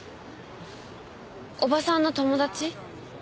伯母さんの友達？